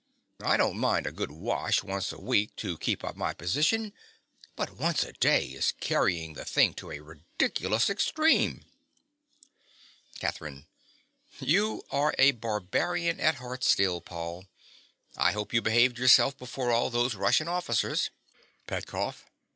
I don't mind a good wash once a week to keep up my position; but once a day is carrying the thing to a ridiculous extreme. CATHERINE. You are a barbarian at heart still, Paul. I hope you behaved yourself before all those Russian officers. PETKOFF.